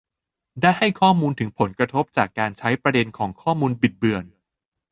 ได้ให้ข้อมูลถึงผลกระทบจากการใช้ประเด็นของข้อมูลบิดเบือน